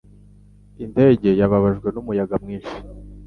Indege yababajwe n'umuyaga mwinshi.